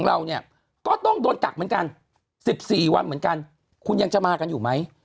๔วันเหมือนกันคุณยังจะมากันอยู่ไหม